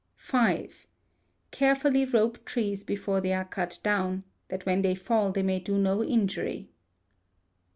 v. Carefully rope trees before they are cut down, that when they fall they may do no injury.